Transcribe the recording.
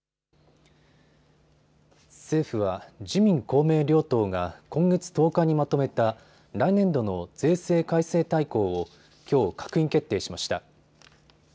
政府は自民公明両党が今月１０日にまとめた来年度の税制改正大綱をきょう閣議決定しました。